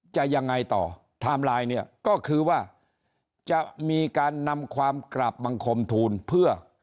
จะยังไงต่อไทม์ไลน์เนี่ยก็คือว่าจะมีการนำความกราบบังคมทูลเพื่อ